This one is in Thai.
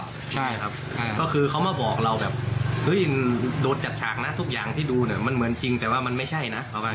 ใช่ครับก็คือเขามาบอกเราแบบเฮ้ยโดนจัดฉากนะทุกอย่างที่ดูเนี่ยมันเหมือนจริงแต่ว่ามันไม่ใช่นะประมาณ